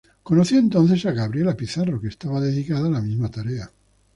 Conoció entonces a Gabriela Pizarro que estaba dedicada a la misma tarea.